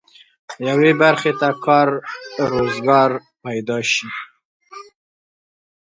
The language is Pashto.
یوې برخې ته کار روزګار پيدا شي.